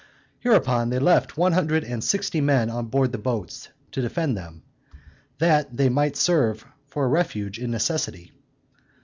Hereupon they left one hundred and sixty men on board the boats, to defend them, that they might serve for a refuge in necessity.